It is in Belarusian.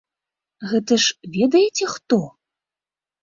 Гэта ж ведаеце, хто?